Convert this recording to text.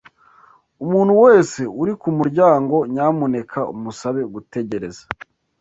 Umuntu wese uri kumuryango, nyamuneka umusabe gutegereza.